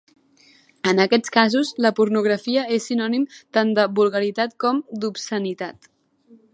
En aquests casos, la pornografia és sinònim tant de vulgaritat com d'obscenitat.